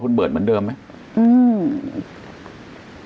คุณแม่ก็ไม่อยากคิดไปเองหรอก